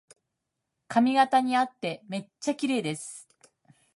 髪型にあっててめっちゃきれいです